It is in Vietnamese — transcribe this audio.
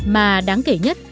mà đáng kể nhất